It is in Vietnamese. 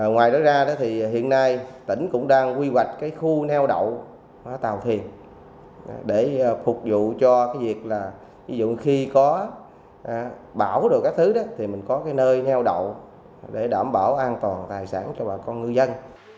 ngoài đó ra thì hiện nay tỉnh cũng đang quy hoạch cái khu neo đậu tàu thuyền để phục vụ cho cái việc là ví dụ khi có bão đồ các thứ đó thì mình có cái nơi neo đậu để đảm bảo an toàn tài sản cho bà con ngư dân